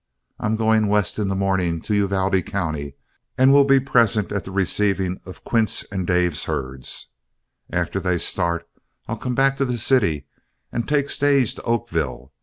I'm going west in the morning to Uvalde County, and will be present at the receiving of Quince and Dave's herds. After they start, I'll come back to the city and take stage to Oakville.